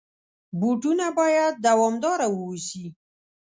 بوټونه باید دوامدار واوسي.